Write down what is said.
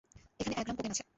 এখানে এক gram cocaine আছে।